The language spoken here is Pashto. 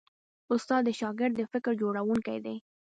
استاد د شاګرد د فکر جوړوونکی دی.